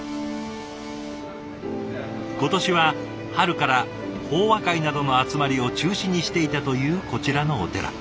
今年は春から法話会などの集まりを中止にしていたというこちらのお寺。